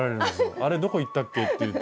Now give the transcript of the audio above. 「あれどこいったっけ？」って言うと。